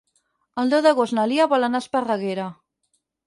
El deu d'agost na Lia vol anar a Esparreguera.